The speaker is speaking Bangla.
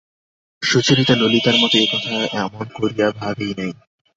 সুচরিতা ললিতার মতো এ কথা এমন করিয়া ভাবেই নাই।